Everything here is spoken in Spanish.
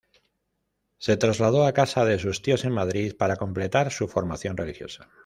Se trasladó a casa de sus tíos en Madrid para completar su formación religiosa.